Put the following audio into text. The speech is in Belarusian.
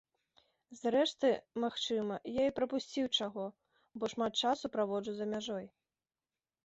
Зрэшты, магчыма, я і прапусціў чаго, бо шмат часу праводжу за мяжой.